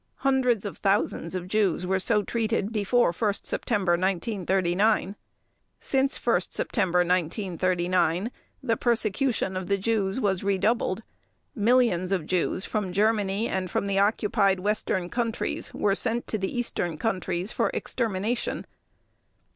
Hundreds of thousands of Jews were so treated before 1 September 1939. Since 1 September 1939, the persecution of the Jews was redoubled: millions of Jews from Germany and from the occupied Western Countries were sent to the Eastern Countries for extermination.